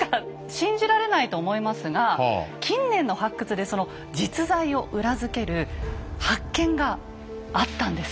信じられないと思いますが近年の発掘でその実在を裏付ける発見があったんです。